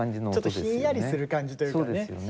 ちょっとひんやりする感じというかね。